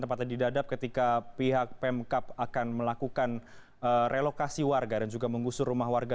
tempatnya di dadap ketika pihak pemkap akan melakukan relokasi warga dan juga mengusur rumah warga